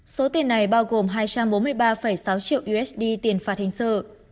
số tiền này bao gồm hai trăm bốn mươi ba sáu triệu usd tiền phạt hành sự